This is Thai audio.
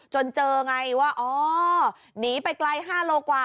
จนเจอไงว่าอ๋อหนีไปไกล๕โลกว่า